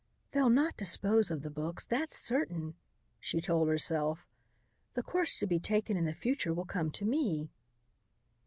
"They'll not dispose of the books, that's certain," she told herself. "The course to be taken in the future will come to me."